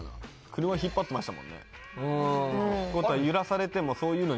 車引っ張ってましたもんね